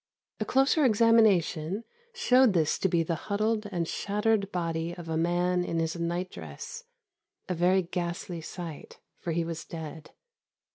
A closer examination showed this to be the huddled and shattered body of a man in his night dress; a very ghastly sight, for he was dead.